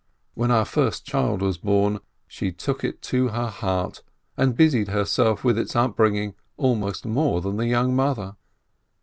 When our first child was born, she took it to her heart, and busied herself with its upbringing almost more than the young mother.